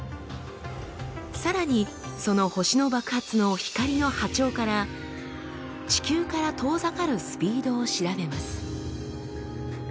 さらにその星の爆発の光の波長から地球から遠ざかるスピードを調べます。